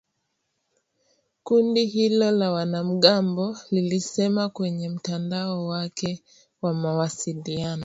Kundi hilo la wanamgambo lilisema kwenye mtandao wake wa mawasiliano